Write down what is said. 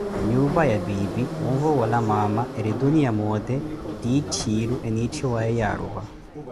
Nyuupa ya piipi woovokola maama eri tuniya moote ttiitthiiru enitthiwaye Yaarupa.